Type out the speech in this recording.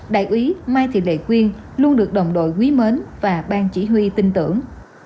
đại úy mai thị lệ quyên luôn được đồng đội quý mến và ban chỉ huy tin tưởng